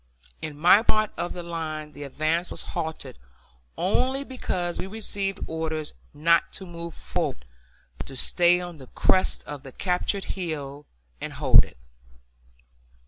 In my part of the line the advance was halted only because we received orders not to move forward, but to stay on the crest of the captured hill and hold it.